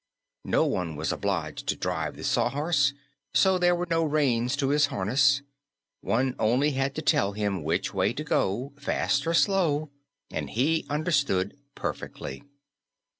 No one was obliged to drive the Sawhorse, so there were no reins to his harness; one had only to tell him which way to go, fast or slow, and he understood perfectly.